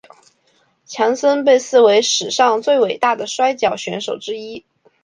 强森被视为史上最伟大的摔角选手之一。